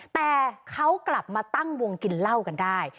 แต่เขากลับมาตั้งวงกินเหล้ากันได้